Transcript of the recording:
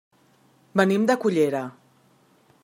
Venim de Cullera.